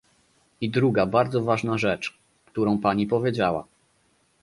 I druga bardzo ważna rzecz, którą Pani powiedziała